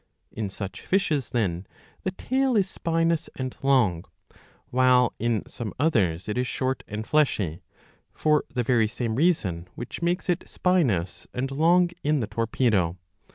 In such fishes, then, the tail is spinous and long ; while in some others it is short and fleshy, for the very same reason which makes it spinous and long in the Torpedo.